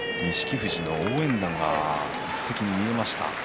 富士の応援団が見えました。